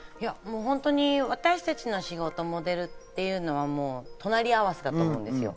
私たちの仕事、モデルっていうのは隣合わせだと思うんですよ。